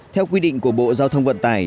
theo quy định của bộ giao thông vận tải